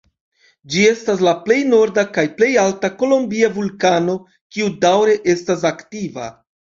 Ĝi estas la plej norda kaj plej alta kolombia vulkano, kiu daŭre estas aktiva.